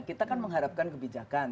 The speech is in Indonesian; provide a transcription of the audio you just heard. kita kan mengharapkan kebijakan